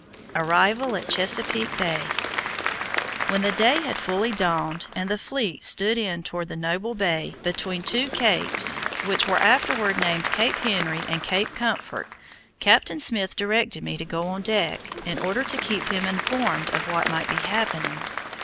ARRIVAL AT CHESAPEAKE BAY When the day had fully dawned, and the fleet stood in toward the noble bay, between two capes, which were afterward named Cape Henry and Cape Comfort, Captain Smith directed me to go on deck, in order to keep him informed of what might be happening.